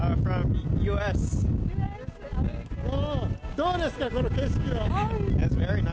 どうですか、この景色は。